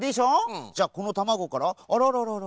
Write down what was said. じゃこのたまごからあらららら。